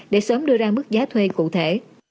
để sớm đưa ra mức giá thuê cụ thể